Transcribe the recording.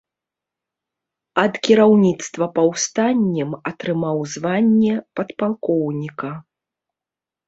Ад кіраўніцтва паўстаннем атрымаў званне падпалкоўніка.